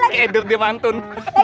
keder dia pantun